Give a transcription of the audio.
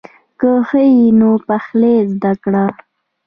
که ښه یې نو پخلی زده کړه.